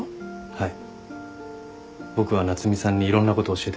はい。